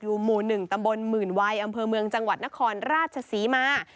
หมู่๑ตำบลหมื่นวัยอำเภอเมืองจังหวัดนครราชศรีมา